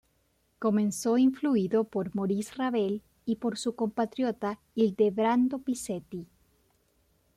Comenzó influido por Maurice Ravel y por su compatriota Ildebrando Pizzetti.